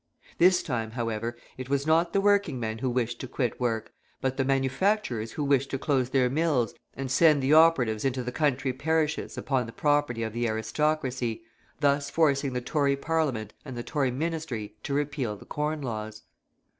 This time, however, it was not the working men who wished to quit work, but the manufacturers who wished to close their mills and send the operatives into the country parishes upon the property of the aristocracy, thus forcing the Tory Parliament and the Tory Ministry to repeal the Corn Laws.